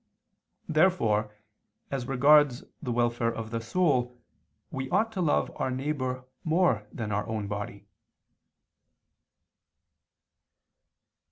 Therefore, as regards the welfare of the soul we ought to love our neighbor more than our own body.